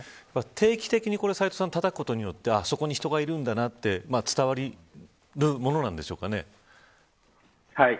定期的にたたくことによってそこに人がいるんだなと伝わり伝わるものなんでしょうか。